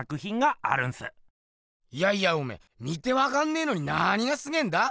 いやいやおめぇ見てわかんねぇのに何がすげぇんだ？